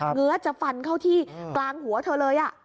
ื้อจะฟันเข้าที่กลางหัวเธอเลย